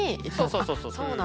そうそうそうそう。